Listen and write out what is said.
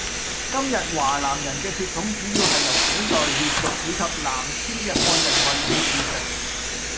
今日華南人嘅血統主要係由古代越族以及南遷嘅漢人混血而成